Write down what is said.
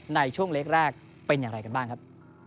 ในช่วงเล็กแรกเป็นอย่างไรกันบ้างครับ